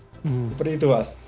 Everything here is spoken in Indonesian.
seperti itu mas